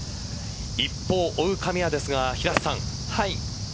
一方、追う神谷ですが平瀬さん